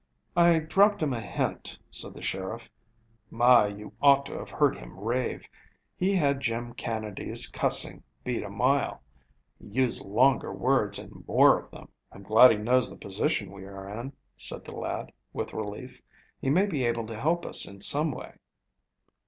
"I dropped him a hint," said the sheriff. "My, you ought to have heard him rave. He had Jim Canady's cussing beat a mile. He used longer words, and more of them." "I'm glad he knows the position we are in," said the lad, with relief. "He may be able to help us in some way."